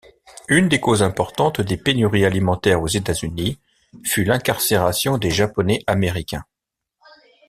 Une des causes importantes des pénuries alimentaires aux États-Unis fut l'incarcération des Japonais-Américains.